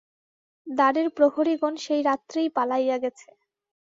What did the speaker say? দ্বারের প্রহরীগণ সেই রাত্রেই পালাইয়া গেছে।